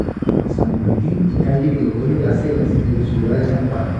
San Martín y Calle Gregorio Las Heras en la Ciudad de San Juan.